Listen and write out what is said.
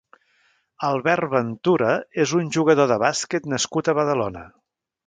Albert Ventura és un jugador de bàsquet nascut a Badalona.